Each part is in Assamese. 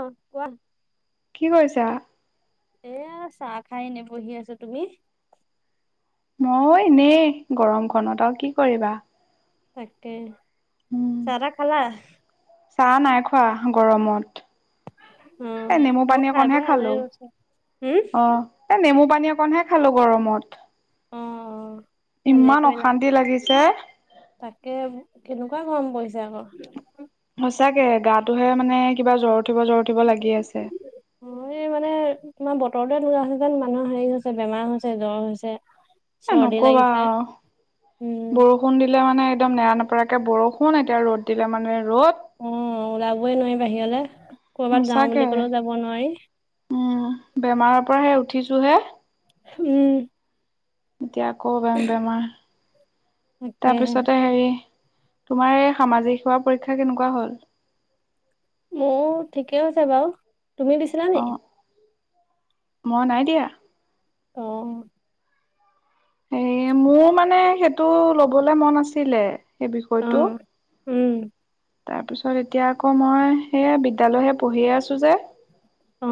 অ' কোৱা কি কৰিছা? এয়া চাহ খাই এনেবহি আছো তুমি? মই এনেই গৰমখনত আৰু কি কৰিবা তাকে উম, চাহ তাহ খালা। চাহ নাই খোৱা গৰমত অ এ নেমু মই পানী খাই অকণহে বৈ আজৰি খালো হৈছো হম অ'। এ নেমু পানী অকণহে খালো গৰমত অ' ভালে ইমান কৰিলা অশান্তি লাগিছে। আগাৰ পইছো আকৌ সচাঁকে গাটোহে মানে কিবা জ্বৰত উঠিব জ্বৰ উঠিব লাগি আছে। ৰদ লগোৱা হৈছে। যেন মানুহৰ হেৰি হৈছে। বেমাৰ হৈছে জ্বৰ হৈছে। এ চৰ্দি নকবা লাগিছে উম বৰষুণ দিলে মানে একদম নেৰা নেপ পৰাকে বৰষুণ এতিয়া ৰ'দ দিলে মানে ৰ'দ অ ওলাবই নোৱাৰি বাহিৰলৈ। সচাকে উম বেমাৰৰ পৰাহে উঠিছো হে। উম এতিয়া আকৌ বেমাৰ তাকেহে তাৰপিছতে হেৰি তোমাৰ এই সামাজিক সেৱা পৰীক্ষা কেনেকুৱা হল। মোৰ ঠিকেই হৈছে বাৰু তুমি দিছিলা অ নি মই নাই দিয়া অ' হে মোৰ মানে সেইটো লবলে মন আছিলে সেই অ বিষয়টো উম তাৰ পিছত এতিয়া আকৌ মই সেয়া বিদ্যালয়হে পঢ়িয়ে আছো যে অ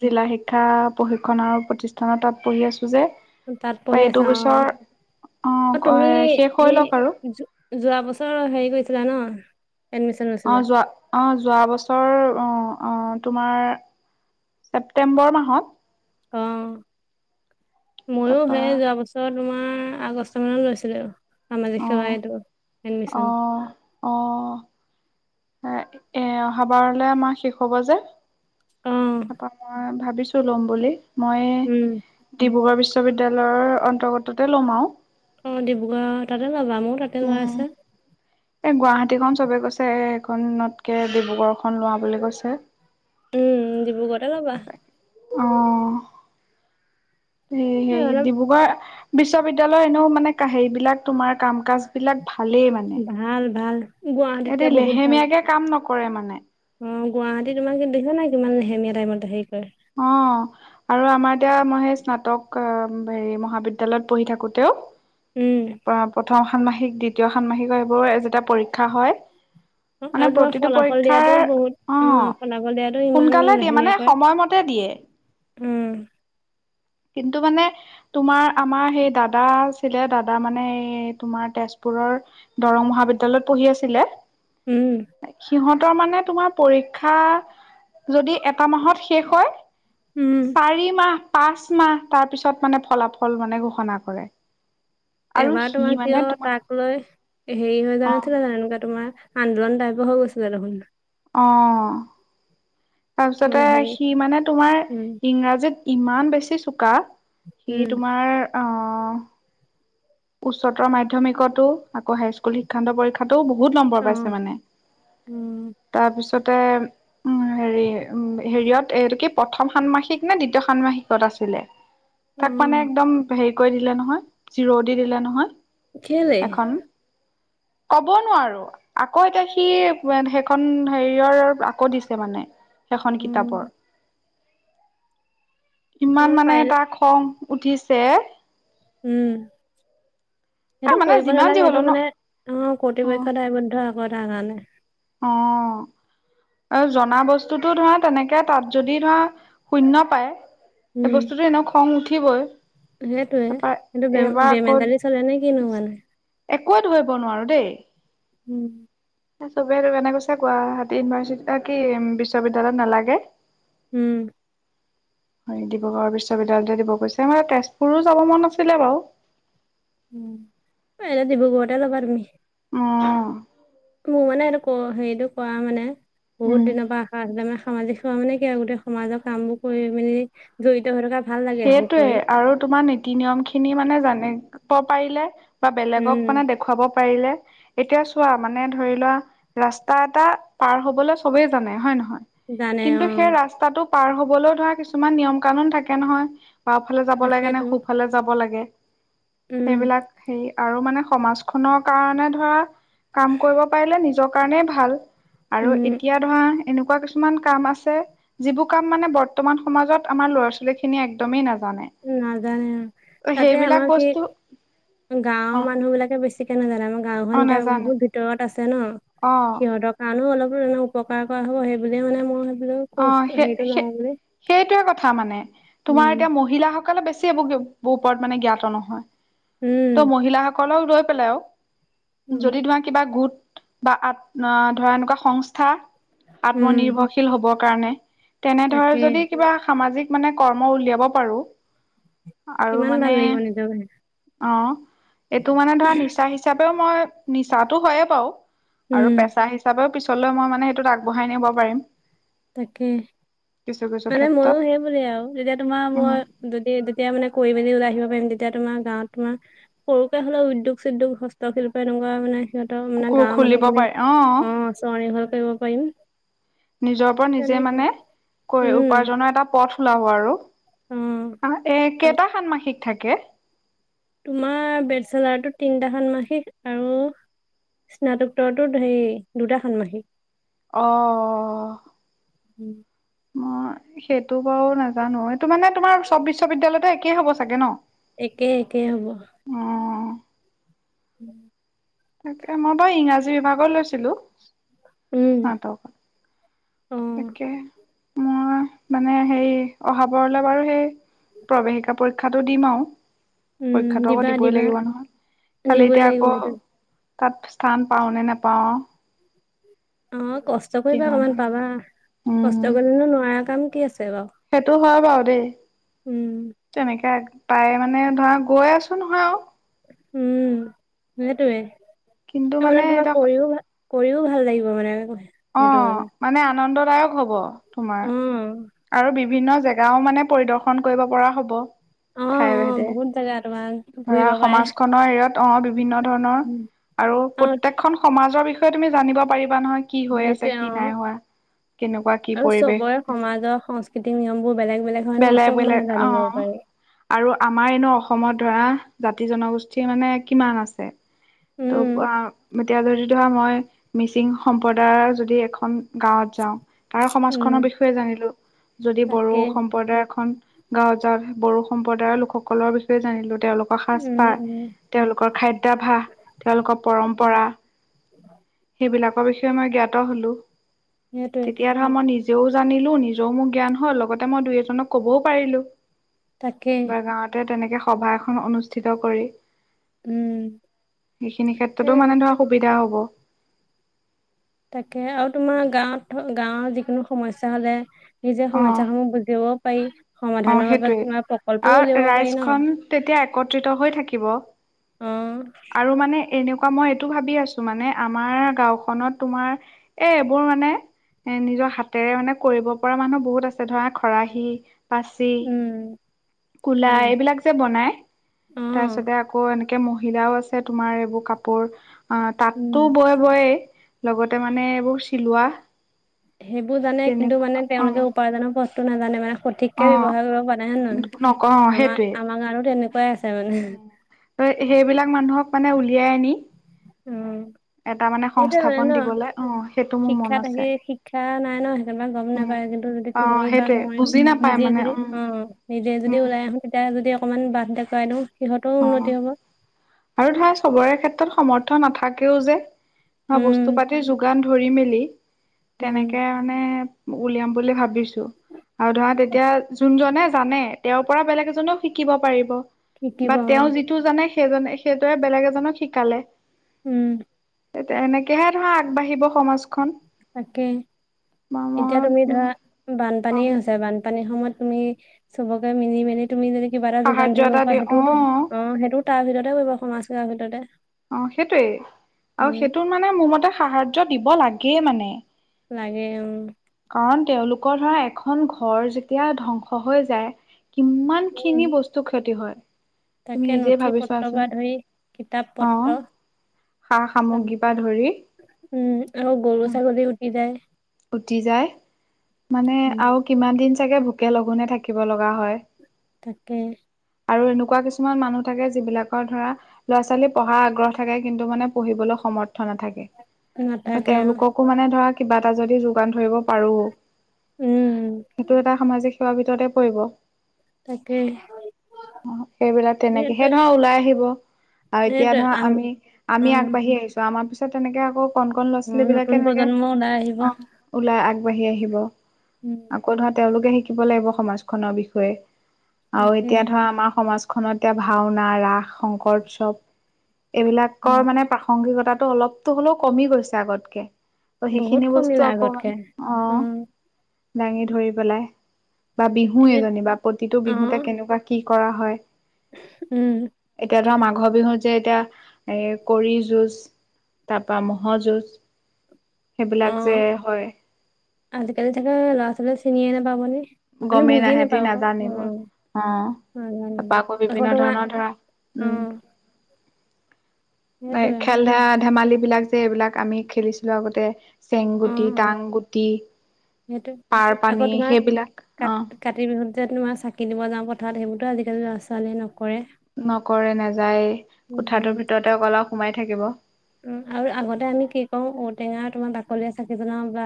জিলা শিক্ষা প্ৰশিক্ষন আৰু প্ৰতিষ্ঠানৰ তাত পঢ়ি আছো। যে তাত পঢ়ি আছা এইটো অ', বছৰ অ তুমি শেষ হৈ হে লওক আৰু। যোৱা বছৰ হেৰি কৰিছা। কৰিছিলা ন এডমিচন লৈ অ ছিলা। যোৱা অ যোৱা বছৰ অ তোমাৰ ছেপটেম্বৰ মাহত অ', ময়ো তাৰপা সেই যোৱা বছৰ তোমাৰ আগষ্ট মাহত লৈছিলে সামাজিক অ সেৱাএটো অ এডমিচন অ এ এ অহাবাৰলে আমাৰ শেষ হব যে অ', তাৰপা মই ভাবিছো লম বুলি মই উম, ডিব্ৰুগড় বিশ্ববিদ্যালয়ৰ অন্তৰ্গততে লম আৰু অ ডিব্ৰুগড় তাতে ল'বা মোৰ তাতে লোৱা উম আছে এ গুৱাহাটীখন চবে কৈছে এ খনতকে ডিব্ৰুগড়খন লোৱা বুলি কৈছে উম ডিব্ৰুগড়তে লবা অ সে এই হেই অলপ ডিব্ৰুগড় বিশ্ববিদ্যালয়ৰ ন মানে হেৰিবিলাক তোমাৰ কাম কাজ বিলাক ভাল ভাল গুৱাহাটীতকে এটি বহুত ভাল লেহেমীয়াকে কাম নকৰে মানে অ গুৱাহাটী তোমাক কি দেখা নাই কিমান লেহেমীয়া টাইমত হেৰি কৰে অ আৰু আমাৰ এতিয়া মই সেই স্নাতক হেৰি মহাবিদ্যালয়ত পঢ়ি থাকোতেও। উম। প প্ৰথম ষান্মাসিক দ্বিতীয় ষান্মাসিক সেইবোৰ [unintelligible] পৰীক্ষা হয়। [unintelligible] মানে আৰু তোমাৰ প্ৰতিটো ফলাফল পৰীক্ষাৰ দিয়াতো বহুত অ ফলাফল দিয়াতো ইমান সোনকালে দিয়ে মানে লাহিনীয়াকৈ সময়মতে। গোৰোত্ব দিয়ে। উম [unintelligible] কিন্তু মানে তোমাৰ আমাৰ সেই দাদা আছিলে দাদা মানে এই তোমাৰ তেজপুৰৰ। দৰং মহাবিদ্যালয়ত পঢ়ি আছিলে। উম। সিহঁতৰ মানে তোমাৰ পৰীক্ষা যদি এটা মাহত শেষ হয়। উম চাৰি মাহ। পাঁচ মাহ তাৰ পিছত মানে ফলাফল মানে ঘোষণা কৰে। আৰু এবাৰ সি তোমাৰ মানে কিয় তোমাৰ তাক লৈ হেৰি হৈ অ যোৱা নাছিলে জান এনেকুৱা তোমাৰ। আন্দোলন টাইপ হ গৈছিলে দেখোন। অ তাৰপিছতে মানে হেৰি সি মানে তোমাৰ উম ইংৰাজীত ইমান বেছি চোকা সি উম তোমাৰ। আহ উচ্চতৰ মাধ্যমিকতো আকৌ হাইস্কুল শিক্ষান্ত পৰীক্ষাতো। বহুত নম্বৰ অ পাইছে মানে তাৰপিছত। তাৰপিছতে উম হেৰি উম হেৰিয়ত এইটো কি প্ৰথম ষান্মাসিক নে দ্বিতীয় ষান্মাসিকত আছে। [unintelligible] অ তাক মানে একদম হেৰি কৰি দিলে নহয় জিৰৌ দি দিলে নহয়। কেলে। এখন ক'ব নোৱাৰো আকৌ এতিয়া সি সেইখন হেৰিয়ৰ আকৌ দিছে মানে। সেইখন অ কিতাপৰ। অ ইমান মানে পাৰিলে তাৰ খং উঠিছে। উম এ সেইটো মানে কৰিব যিমান যি নালাগে হলেও সেইটো ন মানে অ অ কৰ্তৃপক্ষ দায়বদ্ধ আকৌ তাৰ কাৰণে। অ। অ, জনা বস্তুতো ধৰা তেনেকে তাত যদি ধৰা শূন্য পায়। সেই বস্তুতো এনেও খং উঠিবই। সেইটোৱে, তাৰপৰা সেটো বে এইবাৰ আকৌ বেমেজালি চলে নে কিনো মানে? একোৱে ধৰিব নোৱাৰো দেই। উম। চবেই ত এনে কৈছে গুৱাহাটী ইউনিভাৰ্চিটি কি বিশ্ববিদ্যালয়ত নালাগে। উম। [inaudible] হয় ডিব্ৰুগড় বিশ্ববিদ্যালয়তে দিব গৈছে। মানে তেজপুৰো যাব মন আছিলে বাও। উম, এটা ডিব্ৰুগড়তে লবা তুমি। অহ। মোৰ মানে এইটো ক হেইটো কোৱা মানে বহুত উম দিনৰ পৰা আশা আছিলে। মানে সামাজিক সেৱা মানে কি আৰু গোটেই সমাজৰ কাম বোৰ কৰি মেলি জড়িত হৈ থকা। ভাল লাগে সেইবোৰ সেইটোৱে কৰি আৰু তোমাৰ নীতি-নিয়ম খিনি মানে জানিব পাৰিলে বা বেলেগক উম মানে দেখুৱাব পাৰিলে, এতিয়া চোৱা মানে ধৰি লোৱা ৰাস্তা এটা পাৰ হবলে চবে জানে। হয় নহয়? জানে কিন্তু অ সেই ৰাস্তাটো পাৰ হবলৈও ধৰা কিছুমান নিয়ম-কানুন থাকে নহয়। বাওফালে যাব লাগে নে তাকেতো সোফালে যাব লাগে উম হেইবিলাক হে আৰু মানে সমাজখনৰ কাৰণে ধৰা কাম কৰিব পাৰিলে নিজৰ কাৰণেই ভাল। আৰু উম এতিয়া ধৰা এনেক এনেকুৱা কিছুমান কাম আছে যিবোৰ কাম মানে বৰ্তমান সমাজত আমাৰ ল'ৰা ছোৱালী খিনিয়ে একদমেই নাজ নাজানে আৰু তাতে সেইবিলাক আমাৰ কি বস্তু অ গাওৰ মানুহ বিলাকে বেছি ছিকে নাজানে। আমাৰ অ গাওখন এতিয়া নাজানে বহুত ভিতৰত আছে ন। অ সিহঁতৰ কাৰণেও অলপ এনেও উপকাৰ কৰা হ'ব। সেইবুলিয়ে মানে মই ভাবিলো অ কৰ্চটো সেই, হেৰিটো সেই লওঁ বুলি সেইটোৱে কথা মানে। তোমাৰ উম এতিয়া মহিলাসকলে বেছি এই বোৰ ওপৰত মানে জ্ঞাত নহয়। ত উম মহিলাসকলক লৈ পেলাই আৰু উম যদি তোমাৰ কিবা গোট বা আ ধৰা এনেকুৱা সংস্থা উম আত্মনিৰ্ভৰশীল হ'বৰ কাৰণে তেনে ধৰে তাকে যদি কিবা সামাজিক মানে কৰ্ম উলিয়াব পাৰো। আৰু কিমান ভাল মানে লাগিব নিজৰ অ এইটো মানে ধৰা নিচা হিচাপেও মই, নিচাটো হয়য়ে বাৰু। উম, আৰু পেছা হিচাপেও পিছলৈ মই মানে সেইটোত আগবঢ়াই নিব পাৰিম তাকে। কিছু কিছু মানে ক্ষেত্ৰত মইয়ো সেই বোলে আও। যেতিয়া তোমাৰ উম মই যদি তেতিয়া মানে কৰি মেলি ওলাই আহিব পাৰিম, তে তেতিয়া তোমাৰ গাঁৱত তোমাৰ সৰুকে হলে উদ্যোগ চদ্যোগ হস্তশিল্প এনেকুৱা মানে সিহঁতৰ মানে কুকুৰ গাঁৱৰ খুলিব মানুহ খিনিক পাৰি অ চনিৰ্ভৰ কৰিব পাৰিম। নিজৰ ওপৰত নিজে তেনেকে মানে উম। উপাৰ্জনৰ এটা পথ ওলাব আৰু। অ', এ আৰু কেইটা ষান্মাসিক গ থাকে। তোমাৰ বেচেলাৰটো তিনিটা ষান্মাসিক আৰু স্নাতকোত্তৰটোত হেই দুটা ষান্মাসিক। অ। উম। অ সেইটো বাৰু নাজানো। এইটো মানে তোমাৰ চব বিশ্ববিদ্যালয়তে একেই হ'ব চাগে ন? একে-একে হব। অ [inaudible] তাকে মই বাৰু ইংৰাজী বিভাগত লৈছিলো উম, স্নাতক। অ', তাকে মই মানে সেই অহাবাৰলে বাৰু সেই প্ৰৱেশিকা পৰীক্ষাতটো দিম আৰু উম, পৰীক্ষাটো আকৌ দিবা দিবই দিবা লাগিব নহয় খালি দিবই এতিয়া লাগিব আকৌ সেইটো তাত স্থান পাওঁ নে নোপাওঁ অ কষ্ট কৰিবা কিমান অকমান হয় পাবা উম কষ্ট কৰিলেনো নোৱাৰা কাম কি আছে বাৰু সেইটো হয় বাৰু দেই উম তেনেকে পাই মানে ধৰা গৈ আছো নহয় আৰু উম সেইটোৱে কিন্তু মানে আপাৰ তোমাক এতিয়া কৰিও ভাল কৰিও ভাল লাগিব মানে অ মানে আনন্দদায়ক হ'ব তোমাৰ অ আৰু বিভিন্ন জেগাও মানে পৰিদৰ্শন কৰিব পৰা হ'ব অ ফাই অ ভেদে বহুত জেগা তোমাৰ ধৰা ঘূৰিব পাৰে সমাজখনৰ এৰত অ বিভিন্ন ধৰণৰ উম, আৰু অ প্ৰতেকখন সমাজৰ বিষয়ে তুমি জানিব পাৰিব কিবা নহয় কি হৈ আছে সেইটোৱে কি অ নাই হোৱা কেনেকুৱা কি আৰু পৰিৱেশ চবৰে হৈছে সমাজৰ সংস্কৃতিক নিয়মবোৰ বেলেগ হয় ন বেলেগ চব মানে বেলেগ অ জানিব পাৰি আৰু আমাৰ এনে অসমত ধৰা জাতি জনগোষ্ঠী মানে কিমান আছে উম ত' এতিয়া যদি ধৰা মই মিচিং সম্প্ৰদায়ৰ যদি এখন গাঁৱত যাওঁ তাৰ উম সমাজখনৰ বিষয়ে জানিলো যদি তাকে বড়ো সম্প্ৰদায়ৰ এখন গাঁৱ যাঁওঁ বডো সম্প্ৰদায়ৰ লোকসকলৰ বিষয়ে জানিলো তেওঁলোকৰ উম সাজপাৰ উম তেওঁলোকৰ খাদ্যাভাস তেওঁলোকৰ উম পৰম্পৰা সেইবিলাকৰ বিষয়ে মই জ্ঞাত হলো সেইটোৱে তেতিয়া ধৰা মই নিজেও জানিলো নিজ যও মোৰ জ্ঞান হয় লগতে মই দুই এজনক কবও পাৰিলো তাকে বা গাঁৱতে তেনেকে সভা এখন অনুষ্ঠিত কৰি উম সেইখিনি ক্ষেত্ৰতো সেয়া মানে ধৰা সুবিধা হ'ব তাকে আৰু তোমাৰ গাঁৱত গাঁৱৰ যিকোনো সমস্যা হলে নিজে অ সমাজসমূহ বুজিব পাৰ অ, সেইটোৱে আৰু পাৰি ন ৰাইজখন তেতিয়া একত্ৰিত হৈ থাকিব। অ আৰু মানে এনেকুৱা মই এইটো ভাবি আছো মানে, আমাৰ গাওখনত তোমাৰ এ এইবোৰ মানে এ, নিজৰ হাতেৰে মানে কৰিব পৰা মানুহ বহুত আছে। ধৰা খৰাহী, পাচি, উম কলা গম পাইছো। এইবিলাক যে বনাই। অ তাৰপিছতে আকৌ এনে এ, মহিলাও আছে তোমাৰ এইবোৰ কাপোৰ অ উম তাতো বয়ে বয়েই। লগতে মানে এইবোৰ চিলোৱা। সেইবোৰ জানে কিন্তু তেনেকুৱা মানে অ তেওঁলোকে উপাৰ্জনৰ বস্তু নাজানে মানে। অ সঠিককে ব্যৱহাৰ কৰিব জনাই নাই। নক অ আমাৰ সেইটোৱে আমাৰ মানুহ তো তেনেকুৱাই আছে মানে। উম সেইবিলাক মানুহক মানে উলিয়াই আনি উম। এটা মানে সেইটো মানে সংস্থাপন ন, দিবলে অ সেইটো মোৰ মন শিক্ষাত আছে আহি শিক্ষা নাই ন সেইবা গম উম নাপায় যে। অ তুমি বা সেইটোৱে মই বুজি নাপায় নিজে মানে উম অ নিজে উম যদি ওলাই আহো তেতিয়া যদি অকণমান বাদ দেখুৱাই‌ অ, আৰু তাই চবৰে ক্ষেত্ৰত সমৰ্থ নাথাকেও যে। উম, বস্তু পাতিৰ যোগান ধৰি-মেলি উম, তেনেকে মানে, উলিয়াম বুলি ভাবিছো। আৰু ধৰা তাক তেতিয়া যোনজনে জানে তেওঁৰ পৰা বেলেগ এজনেও সি শিকিব পাৰিব। শিকিব বা তেওঁ যিটো জানে সেইজনে সেইটোৰে বেলেগ এজনক শিকালে। উম। তেতিয়া এনেকেহে ধৰা আগবাঢ়িব সমাজখন। তাকে বা এতিয়া তুমি মই ধৰা বানপানী হৈছে বানপানীৰ সময়ত। তুমি চবকে মিলি-মেলি তুমি যদি কিবা এটা যোগান সাহাৰ্য এটা ধৰিব দি পাৰা সেইটোতো অ, সেইটো তাৰ ভিতৰতে কৰিব সমাজ কাৰ ভিতৰতে। অ', সেইটোৱে আৰু উম, সেইটো মানে মোৰ মতে সাহাৰ্য দিব লাগে মানে। লাগে উম। কাৰণ তেওঁলোকৰ ধৰা এখন ঘৰ যেতিয়া ধ্বংস হৈ যায়। কিমান উম, খিনি বস্তু ক্ষতি হয়। তুমি তাকে নিজে ভাবি নথি-পত্ৰ চোৱাচোন পৰা ধৰি কিতাপ অ পত্ৰ সা অ', সামগ্ৰীৰ পৰা ধৰি উম আৰু গৰু-ছাগলী উটি যায়। উতি যায়। মানে উম, আৰু কিমান দিন চাগে ভোকে-লঘোণে থাকিব লগা হয়। তাকে। আৰু এনেকুৱা কিছুমান মানুহ থাকে। যিবিলাকৰ ধৰা ল'ৰা-ছোৱালী পঢ়াৰ আগ্ৰহ থাকে। কিন্তু, মানে পঢ়িবলৈ সমৰ্থ নাথে নাথাকে অ', তেওঁলোক কো মানে ধৰা কিবা এটা যদি দোকান ধৰিব পাৰো, উম, সেইটো এটা সামাজিক সেৱাৰ ভিতৰতে পৰিব। তাকেই। অ', সেইবিলাক তেনেকে সেই ধৰা ওলাই আহিব। আৰু এতিয়া সেইটোৱে ধৰা আম আমি আমি উম, আগবাঢ়ি আহিছো। আমাৰ পিছত তেনেকে আকৌ কণ-কন ল'ৰা ছোৱালী অ', বিলাকে নতুন এনেকে প্ৰজন্ম ওলাই আহিব অ', ওলাই আগবাঢ়ি আহিব। উম। আকৌ তাত তেওঁলোকে শিকিব লাগিব। সমাজখনৰ বিষয়ে আৰু তাকে এতিয়া ধৰা আমাৰ সমাজ খনত এতিয়া ভাওনা ৰাস, শংকৰ উৎসৱ অ এইবিলাকৰ মানে প্ৰাসংগিকতা। অলপ কে হলেও কমি গৈছে আগতকে। বহুত কমিলে আগতকে উম [unintelligible] দাঙি ধৰি পেলাই বা বিহু এ এজনী বা প্ৰতিটো অ বিহুতে কেনেকুৱা কি কৰা হয়? উম। ঘৰ বিহুত যে এতিয়া এ কৰি যুঁজ তাৰ পৰা ম'হ যুঁজ অ সেইবিলাক যে হয়। আজিকালি তাকে ল'ৰা-ছোৱালীয়ে চিনিয়ে নাপায় বোলো। গমেই নাহেতি নাজানিবোৰ, অ' নাজানিব তাৰপা আকৌ বিভিন্ন তোমাৰ ধৰণৰ ধৰা অ উম এ সেইটোয়ে খেল- ধেমালি বিলাক যে এইবিলাক আমি খেলিছিলো আগতে। অ চেংগুটি অ টাংগুটি পাৰ সেইটোয়ে। পানী আকৌ তোমাৰ সেইবিলাক কা অ কাতি বিহু তোমাৰ চাকি দিব যাওঁ পথাৰত। সেইবোৰো আজিকালি ল'ৰা ছোৱালীয়ে ন নকৰে নাযায়। উম কোঠাটোৰ ভিতৰতে অকল আও সোমাই থাকিব। উম আৰু আগতে আমি কি কৰো ঔটেঙা তোমাৰ বাকলিৰে চাকি বনাও বা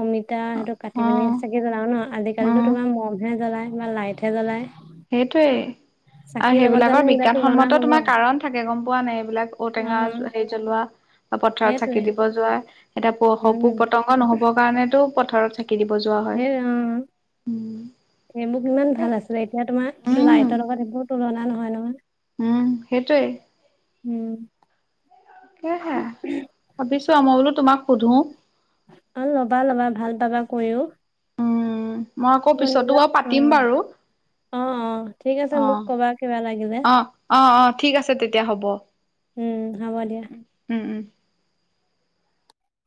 অমিতা সেইটো কাটি অ পিনি চাগে জ্বলাও ন, অ আজিকালিতো তোমাৰ মমহে জ্বলায় বা লাইটহে জ্বলায়। সেইটোৱেই। আহ জানো সেইবিলাকৰ সেইবিলাক তুলনা বিজ্ঞানসন্মত হব অ তোমাৰ কাৰণ থাকে গম পোৱা নাই? এইবিলাক ঔটেঙা হেৰি জ্বলোৱা বা পথাৰত সেইটোৱে চাকি দিব যোৱা, এতিয়া প উম পোক পতংগ নহ'বৰ কাৰণেতো পথাৰত চি হে অ', হে মোক ইমান তাকে ভাল আছিলে এতিয়া তোমাৰ উম লাইটৰ লগত এইবোৰ তুলনা নহয় নহয়। উম সেইটোৱে উম সেহে ভাবিছো মই বোলো তোমাক সোধো। অ' ল'বা ল'বা ভাল পাবা কৰিও উম মই আকৌ তোমাৰ পিছতো নিজৰ বা অ পাতিম বাৰু অ অ ঠিক আছে মোক অহ কবা কিবা লাগিলে অ' অ' অ' ঠিক আছে তেতিয়া হ'ব উম হ'ব দিয়া উম উম।